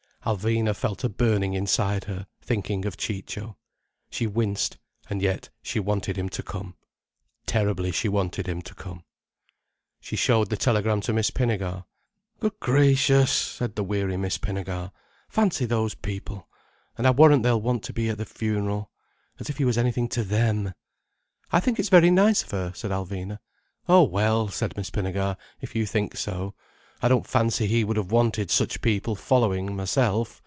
Alvina felt a burning inside her, thinking of Ciccio. She winced—and yet she wanted him to come. Terribly she wanted him to come. She showed the telegram to Miss Pinnegar. "Good gracious!" said the weary Miss Pinnegar. "Fancy those people. And I warrant they'll want to be at the funeral. As if he was anything to them—" "I think it's very nice of her," said Alvina. "Oh well," said Miss Pinnegar. "If you think so. I don't fancy he would have wanted such people following, myself.